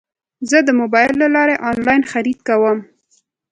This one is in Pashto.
زه د موبایل له لارې انلاین خرید کوم.